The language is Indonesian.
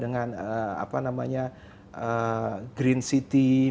dan juga tidak kalah penting adalah kita berupaya untuk memodifikasi